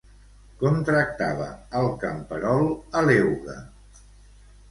Com tractava el camperol a l'euga?